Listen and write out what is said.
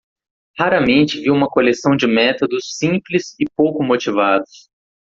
Raramente vi uma coleção de métodos simples e pouco motivados.